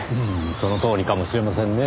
そのとおりかもしれませんねぇ。